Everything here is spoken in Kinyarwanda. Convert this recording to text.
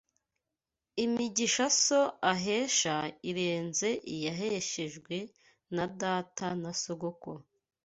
Imigisha so ahesha irenze iyaheshejwe na data na sogokuru